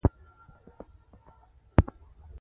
د روبیکان سیند ساحه ترسیم شوې ده.